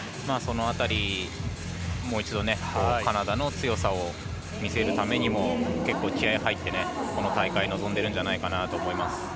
その辺り、もう一度カナダの強さを見せるためにも結構気合入ってこの大会に臨んでいると思います。